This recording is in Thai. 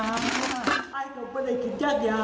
ไอ้เขาก็ไม่ได้กินจากยา